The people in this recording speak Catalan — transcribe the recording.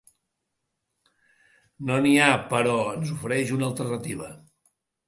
No n’hi ha, però ens ofereix una alternativa.